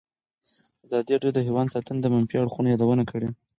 ازادي راډیو د حیوان ساتنه د منفي اړخونو یادونه کړې.